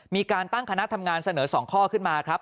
มีการตั้งคณะทำงานเสนอ๒ข้อขึ้นมาครับ